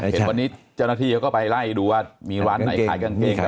ที่นี้เจ้าหน้าที่เขาก็ไปไล่ดูว่ามีวันไหนขาย